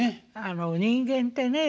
あの人間ってね